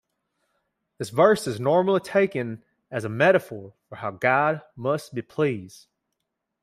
This verse is normally taken as a metaphor for how God most be pleased.